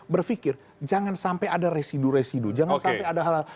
berpikir jangan sampai ada residu residu jangan sampai ada hal hal